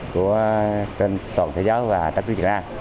của toàn thế giới và đất nước việt nam